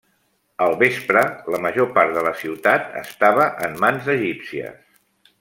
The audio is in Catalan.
Al vespre, la major part de la ciutat estava en mans egípcies.